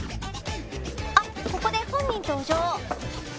あっここで本人登場。